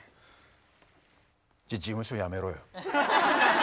じゃ事務所やめろよ。